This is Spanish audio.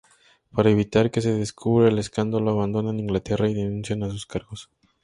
Para evitar que se descubra el escándalo, abandonan Inglaterra y renuncia a sus cargos.